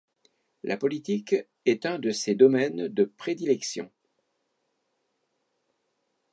La politique est un de ces domaines de prédilection.